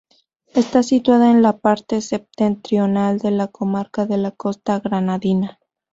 Está situada en la parte septentrional de la comarca de la Costa Granadina.